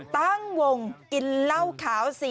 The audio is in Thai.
ตั้งวงกินเหล้าขาวสิ